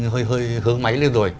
hơi hướng máy lên rồi